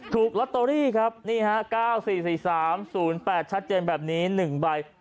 ถูกลอตเตอรี่ครับนี่ฮะ๙๔๔๓๐๘ชัดเจนแบบนี้๑ใบ